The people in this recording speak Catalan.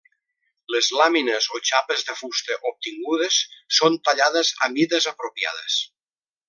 Les làmines o xapes de fusta obtingudes són tallades a mides apropiades.